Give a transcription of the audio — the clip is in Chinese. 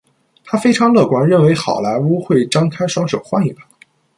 他非常乐观，认为好莱坞会张开双手欢迎他。